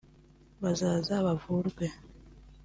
bazaza bavurwe